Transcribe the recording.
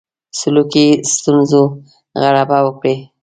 سلوکي ستونزو غلبه وکړي.